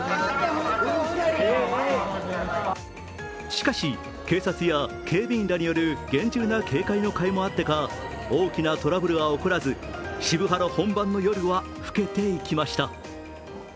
しかし警察や警備員らによる厳重な警戒のかいもあってか大きなトラブルは起こらず渋ハロ本番の夜は更けていきました。